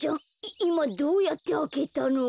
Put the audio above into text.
いまどうやってあけたの？